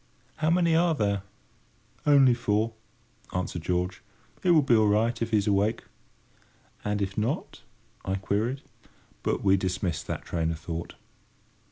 How many are there?" "Only four," answered George. "It will be all right, if he's awake." "And if not?" I queried; but we dismissed that train of thought.